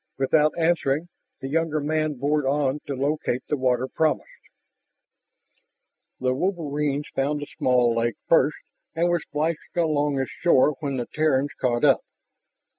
Without answering, the younger man bored on to locate the water promised. The wolverines found the small lake first and were splashing along its shore when the Terrans caught up.